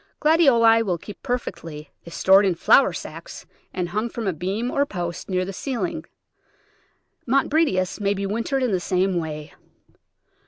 Gladioli will keep perfectly if stored in flour sacks and hung from a beam or post near the ceiling. Montbretias may be wintered in the same way.